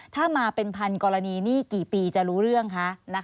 ถ้ามาเป็นพันกรณีนี่กี่ปีจะรู้เรื่องคะ